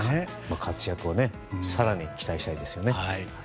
活躍を更に期待したいですよね。